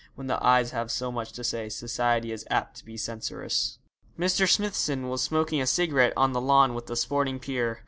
When the eyes have so much to say society is apt to be censorious. Mr. Smithson was smoking a cigarette on the lawn with a sporting peer.